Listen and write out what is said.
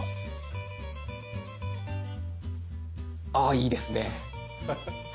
いいですね。